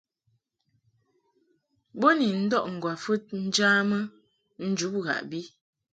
Bo ni ndɔʼ ŋgwafɨd njamɨ njub ghaʼbi.